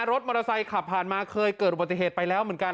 รถมอเตอร์ไซค์ขับผ่านมาเคยเกิดอุบัติเหตุไปแล้วเหมือนกัน